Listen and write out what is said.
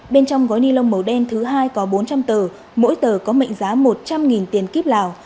bên trong gói ni lông màu đen thứ hai có bốn trăm linh tờ mỗi tờ có mệnh giá một trăm linh tiền kíp lào